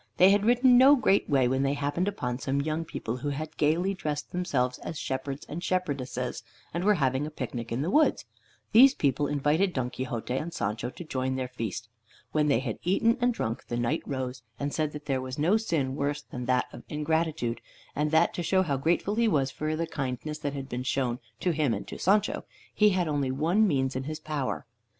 They had ridden no great way when they happened upon some young people who had gaily dressed themselves as shepherds and shepherdesses, and were having a picnic in the woods. These people invited Don Quixote and Sancho to join their feast. When they had eaten and drunk, the Knight rose, and said that there was no sin worse than that of ingratitude, and that to show how grateful he was for the kindness that had been shown to him and to Sancho, he had only one means in his power.